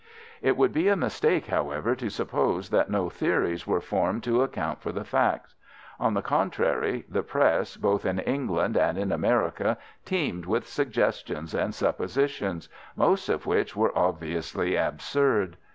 It would be a mistake, however, to suppose that no theories were formed to account for the facts. On the contrary, the Press, both in England and in America, teemed with suggestions and suppositions, most of which were obviously absurd.